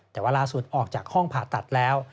แต่ว่าล่าสุดออกจากห้องผ่าตัดแล้ว